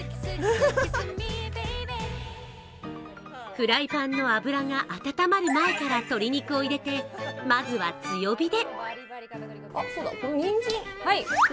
フライパンの油が温まる前から鶏肉を入れて、まずは強火で。